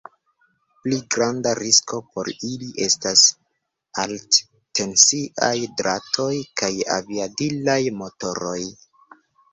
Pli granda risko por ili estas alttensiaj dratoj kaj aviadilaj motoroj.